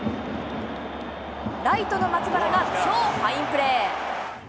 ライトの松原が超ファインプレー。